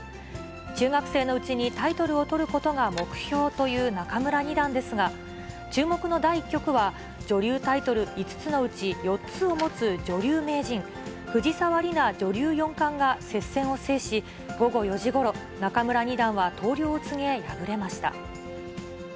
中学生のうちにタイトルを取ることが目標という仲邑二段ですが、注目の第１局は、女流タイトル５つのうち４つを持つ女流名人、藤沢里菜女流四冠が接戦を制し、午後４時ごろ、仲邑二段は投了を告げ、敗れました。